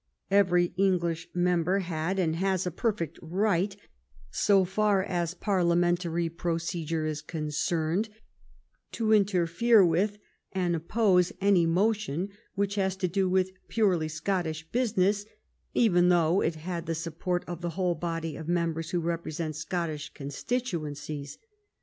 Every English member had and has a perfect right, so far as parliamentary procedure is concerned, to interfere with and oppose any motion which has to do with purely Scottish business, even though it had the support of the whole body of members who represent Scottish con stituencies.